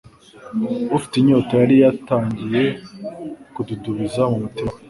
ufite inyota, yari yatangiye kududubiza mu mutima we.